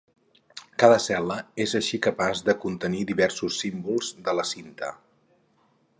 Cada cel·la és així capaç de contenir diversos símbols de la cinta.